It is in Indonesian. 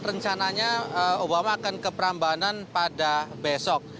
rencananya obama akan ke prambanan pada besok